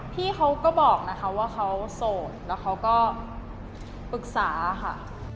พี่เขาก็บอกนะคะว่าเขาโสดแล้วเขาก็ปรึกษาค่ะ